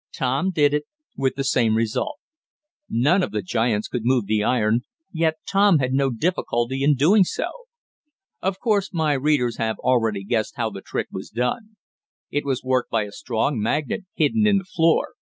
Tom did it, with the same result. None of the giants could move the iron, yet Tom had no difficulty in doing so. Of course my readers have already guessed how the trick was done. It was worked by a strong magnet, hidden in the floor.